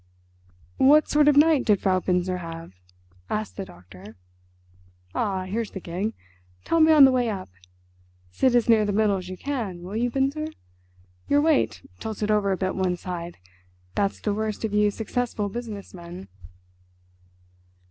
"What sort of night did Frau Binzer have?" asked the doctor. "Ah, here's the gig. Tell me on the way up. Sit as near the middle as you can, will you, Binzer? Your weight tilts it over a bit one side—that's the worst of you successful business men."